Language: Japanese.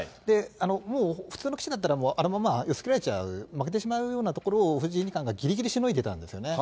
もう普通の棋士だったらもうあのままやっつけられちゃう、負けてしまうようなところを、藤井二冠がぎりぎりしのいでたんですよね。